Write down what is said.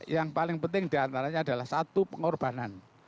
yang paling penting diantaranya adalah satu pengorbanan